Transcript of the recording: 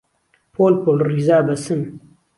پۆل پۆل ڕیزە ئەبەسن